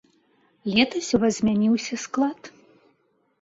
Летась у вас змяніўся склад.